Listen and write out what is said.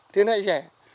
thế lại dẹt